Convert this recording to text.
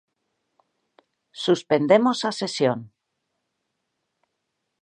Suspendemos a sesión.